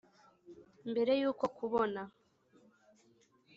mbere y’uko kubona